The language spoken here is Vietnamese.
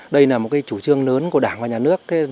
đây là một chủ trương lớn của đảng và nhà nước